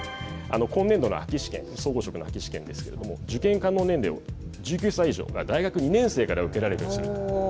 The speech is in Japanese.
今年度の秋試験総合職の試験ですが受験可能年齢を１９歳以上大学２年生から受けられるようにする。